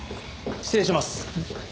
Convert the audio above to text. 失礼します。